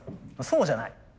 そうじゃない。